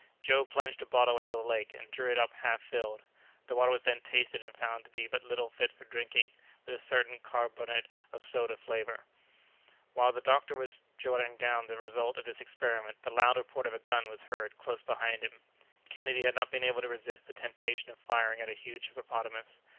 Joe plunged a bottle into the lake and drew it up half filled. The water was then tasted and found to be but little fit for drinking, with a certain carbonate of soda flavor. While the doctor was jotting down the result of this experiment, the loud report of a gun was heard close beside him. Kennedy had not been able to resist the temptation of firing at a huge hippopotamus.